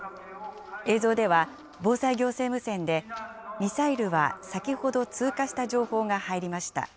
映像では、防災行政無線で、ミサイルは先ほど通過した情報が入りました。